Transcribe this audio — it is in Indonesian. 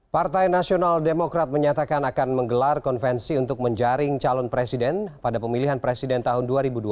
partai nasional demokrat menyatakan akan menggelar konvensi untuk menjaring calon presiden pada pemilihan presiden tahun dua ribu dua puluh